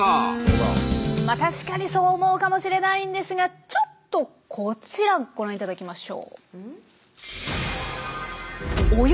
うん確かにそう思うかもしれないんですがちょっとこちらをご覧頂きましょう。